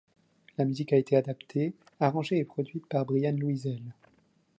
La musique a été adaptée, arrangée et produite par Bryan Louiselle.